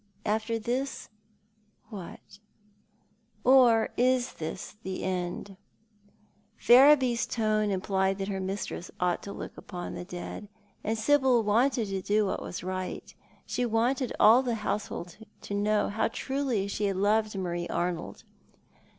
After this, what ? Or is this the end ? Ferriby's tone implied that her mistress ought to look upon the dead, and Sibyl wanted to do what was right. She wanted all the household to know how truly she had loved Marie Arnold.